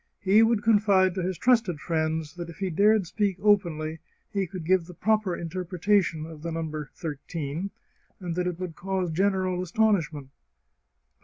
He would confide to his trusted friends that if he dared speak openly he could give the proper interpretation of the number thirteen, and that it would cause general astonishment (1813).